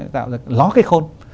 tạo ra ló cái khôn